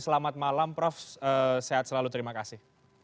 selamat malam prof sehat selalu terima kasih